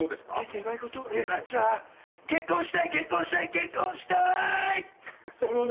願い事じゃあ結婚したい結婚したい結婚したい！